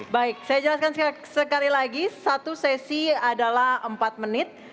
baik saya jelaskan sekali lagi satu sesi adalah empat menit